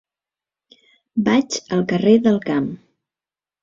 Vaig al carrer del Camp.